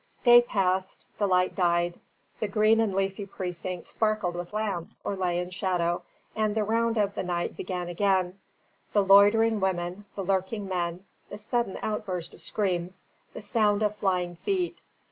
Day passed, the light died, the green and leafy precinct sparkled with lamps or lay in shadow, and the round of the night began again, the loitering women, the lurking men, the sudden outburst of screams, the sound of flying feet.